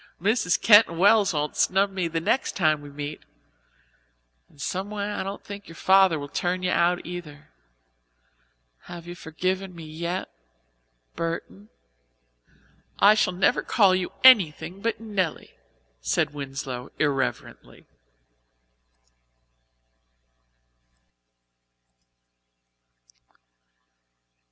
Mrs. Keyton Wells won't snub me next time we meet. And some way I don't think your father will turn you out, either. Have you forgiven me yet, Burton?" "I shall never call you anything but Nelly," said Winslow irrelevantly.